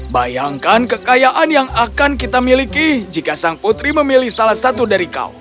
bayangkan kekayaan yang akan kita miliki jika sang putri memilih salah satu dari kaum